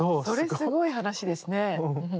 それすごい話ですね。